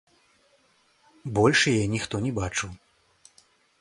Больш яе ніхто не бачыў.